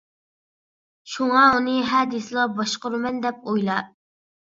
شۇڭا ئۇنى ھە دېسىلا باشقۇرىمەن دەپ ئويلا.